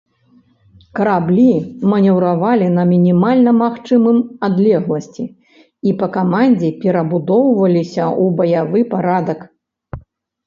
Караблі манеўравалі на мінімальна магчымым адлегласці і па камандзе перабудоўваліся ў баявы парадак.